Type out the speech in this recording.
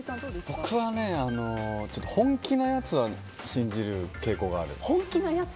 僕は本気のやつは信じる傾向がある。